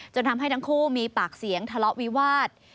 ทำให้ทั้งคู่มีปากเสียงทะเลาะวิวาส